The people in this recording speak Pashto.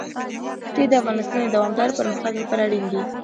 ښتې د افغانستان د دوامداره پرمختګ لپاره اړین دي.